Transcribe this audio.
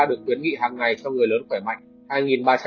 được khuyến nghị hàng ngày cho người lớn khỏe mạnh